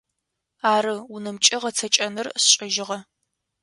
Ары, унэмкӏэ гъэцэкӏэныр сшӏыжьыгъэ.